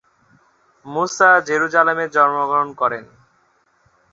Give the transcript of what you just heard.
মুসা জেরুজালেমে জন্মগ্রহণ করেন।